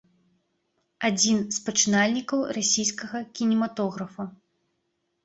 Адзін з пачынальнікаў расійскага кінематографа.